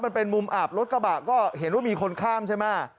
มันเป็นมุมอับรถกระบะก็เห็นว่ามีคนข้ามใช่ไหม